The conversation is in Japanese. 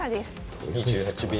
２８秒。